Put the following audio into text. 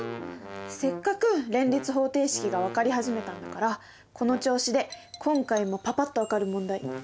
せっかく連立方程式が分かり始めたんだからこの調子で今回もパパっと分かる問題やってみよう！